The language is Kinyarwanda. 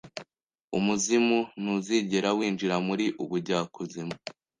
Umuzimu ntuzigera winjira muri ubujyakuzimu